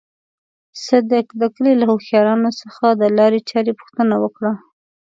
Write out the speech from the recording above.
صدک د کلي له هوښيارانو څخه د لارې چارې پوښتنه وکړه.